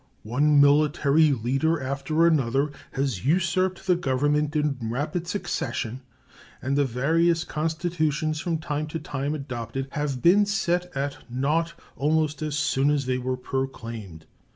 One military leader after another has usurped the Government in rapid succession, and the various constitutions from time to time adopted have been set at naught almost as soon as they were proclaimed.